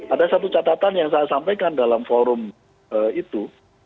ada satu catatan yang saya sampaikan dalam forum itu